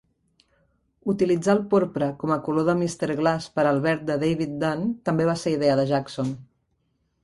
Utilitzar el porpra com a color de Mr. Glass per al verd de David Dunn també va ser idea de Jackson.